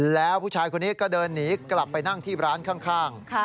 แล้วผู้ชายคนนี้ก็เดินหนีกลับไปนั่งที่ร้านข้าง